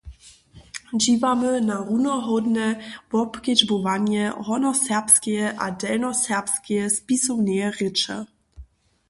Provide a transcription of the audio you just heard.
Dźiwamy na runohódne wobkedźbowanje hornjoserbskeje a delnjoserbskeje spisowneje rěče.